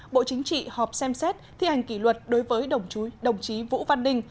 bộ chính trị họp xem xét thi hành kỷ luật đối với đồng chí vũ văn ninh